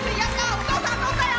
お父さん、とったよ！